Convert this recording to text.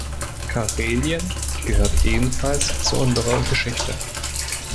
Karelien gehört ebenfalls zu unserer Geschichte.